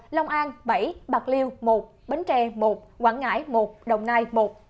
long an bảy bạc liêu một bến tre một quảng ngãi một đồng nai một